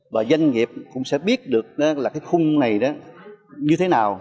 và doanh nghiệp cũng sẽ biết được là cái khung này đó như thế nào